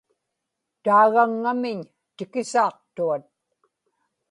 taagaŋŋamiñ tikisaaqtuat